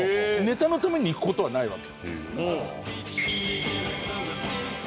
ネタのために行く事はないわけ。